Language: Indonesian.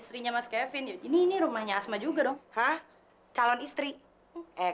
hingga siapa tuh dikajak sih